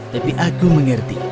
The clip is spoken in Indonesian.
tapi aku mengerti